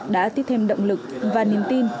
đã tiếp thêm động lực và niềm tin